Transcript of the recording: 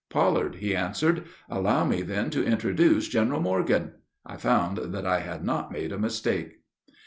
"Pollard," he answered. "Allow me, then, to introduce General Morgan," I found that I had not made a mistake.